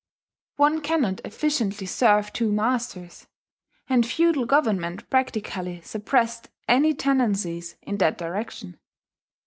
One cannot efficiently serve two masters; and feudal government practically suppressed any tendencies in that direction.